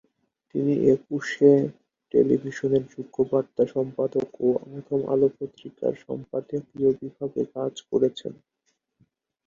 তিনি একুশে টেলিভিশনের যুগ্ম বার্তা সম্পাদক ও প্রথম আলো পত্রিকার সম্পাদকীয় বিভাগে কাজ করেছেন।